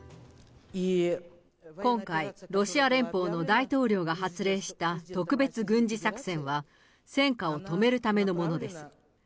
今回、ロシア連邦の大統領が発令した特別軍事作戦は、戦火を止めるためのものです。